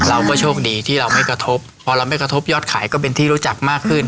เราก็โชคดีที่เราไม่กระทบพอเราไม่กระทบยอดขายก็เป็นที่รู้จักมากขึ้น